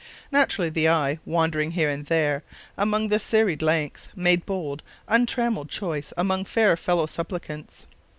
Naturally the eye, wandering here and there among the serried ranks, made bold, untrammelled choice among our fair fellow supplicants.